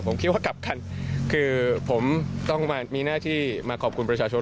ผมคิดว่ากลับกันคือผมต้องมามีหน้าที่มาขอบคุณประชาชน